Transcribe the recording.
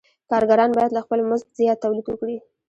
کارګران باید له خپل مزد زیات تولید وکړي